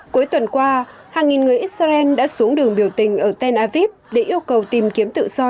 cuối tuần qua hàng nghìn người israel đã xuống đường biểu tình ở tel aviv để yêu cầu tìm kiếm tự do